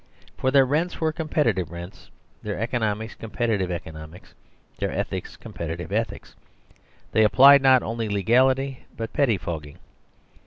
For their rents were competi tive rents, their economics competitive eco nomics, their ethics competitive ethics; they applied not only legality but pettifogging.